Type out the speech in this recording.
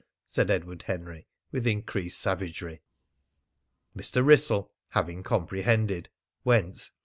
said Edward Henry, with increased savagery. Mr. Wrissell, having comprehended, went.